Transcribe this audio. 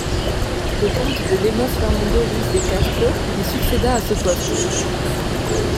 Le comte de Lemos Fernando Ruiz de Castro lui succéda à ce poste.